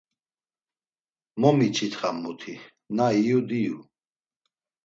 Mo miç̌itxam muti, na iyu diyu.